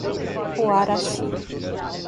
Coaraci